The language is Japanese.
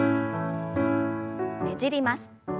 ねじります。